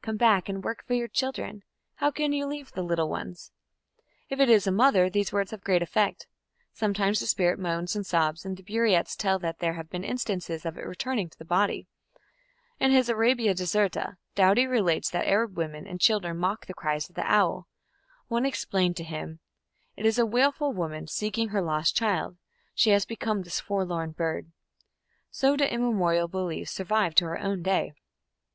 Come back and work for your children. How can you leave the little ones?" If it is a mother, these words have great effect; sometimes the spirit moans and sobs, and the Buriats tell that there have been instances of it returning to the body. In his Arabia Deserta Doughty relates that Arab women and children mock the cries of the owl. One explained to him: "It is a wailful woman seeking her lost child; she has become this forlorn bird". So do immemorial beliefs survive to our own day.